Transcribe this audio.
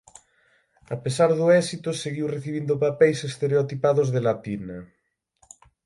A pesar do éxito seguiu recibindo papeis estereotipados de latina.